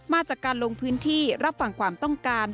มาจากการลงพื้นที่รับฟังความต้องการ